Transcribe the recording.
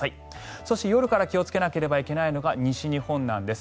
そして夜から気をつけなくてはいけないのが西日本なんです。